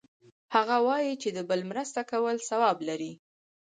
هغه وایي چې د بل مرسته کول ثواب لری